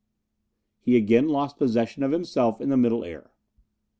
he again lost possession of himself in the Middle Air.